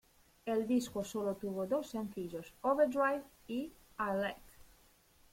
El disco sólo tuvo dos sencillos, "Overdrive" y "I Like".